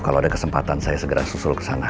kalau ada kesempatan saya segera susul kesana